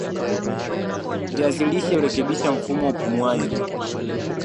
viazi lishe hurekebisha mfumo wa upumuaji